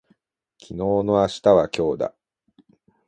昨日の明日は今日だ